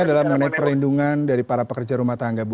ini adalah mengenai perlindungan dari para pekerja rumah tangga bu